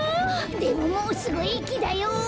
でももうすぐえきだよ！